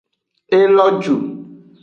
E lo ju.